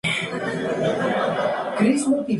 En cualquier forma, suelen llevar alguna joya.